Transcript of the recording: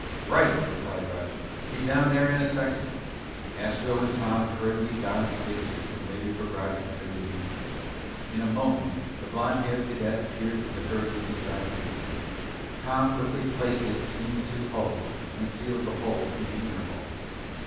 "Right!" replied Roger. "Be down there in a second." Astro and Tom hurriedly donned space suits and waited for Roger to bring the beacon. In a moment the blond haired cadet appeared with the hurriedly contrived beacon. Tom quickly placed it between the two hulls and sealed the hole in the inner hull.